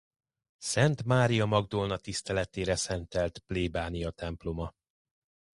Szent Mária Magdolna tiszteletére szentelt plébániatemploma.